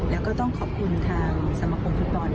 แล้วก็ต้องขอบคุณทางสมคมฟุตบอล